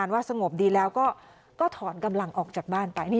ว่าสงบดีแล้วก็ถอนกำลังออกจากบ้านไป